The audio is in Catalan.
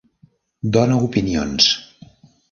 Dona opinions.